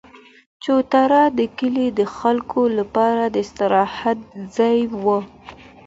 چوتره د کلي د خلکو لپاره د استراحت ځای وو.